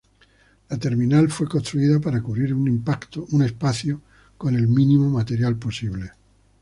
La terminal fue construida para cubrir un espacio con el mínimo material posible.